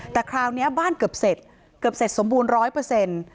แต่คราวนี้บ้านเกือบเสร็จเกือบเสร็จสมบูรณ์ร้อยเปอร์เซ็นต์